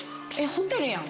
ホテルやん。